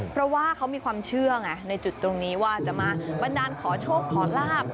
เพราะว่าเขามีความเชื่อไงในจุดตรงนี้ว่าจะมาบันดาลขอโชคขอลาบ